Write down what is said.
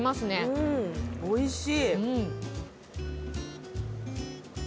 うんおいしい。